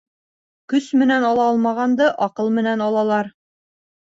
Көс менән ала алмағанды аҡыл менән алалар.